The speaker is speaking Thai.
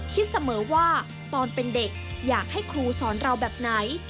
คิดเสมอว่าตอนเป็นเด็กอยากให้ครูสอนเราแบบไหน